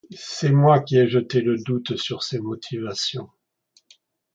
C’est moi qui ai jeté le doute sur ses motivations.